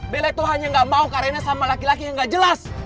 bella itu hanya gak mau kak raina sama laki laki yang gak jelas